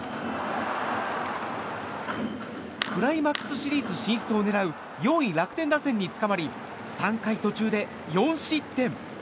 クライマックスシリーズ進出を狙う４位、楽天打線につかまり３回途中で４失点。